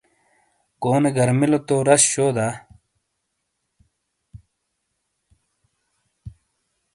کونے گرامیلو تو راس، شو دا؟